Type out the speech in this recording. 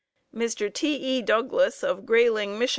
Mr. T. E. Douglas of Grayling, Mich.